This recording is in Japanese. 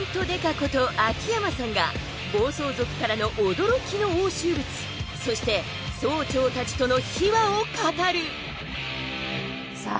こと秋山さんが暴走族からの驚きの押収物そして総長達との秘話を語るさあ